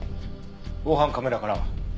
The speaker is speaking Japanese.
防犯カメラからは？